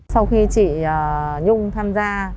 sau khi chị nhung tham gia